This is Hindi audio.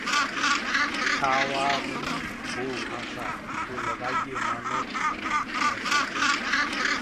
संवारनी हो भाषा, तो लगाइए ‘मानस’ में गोते...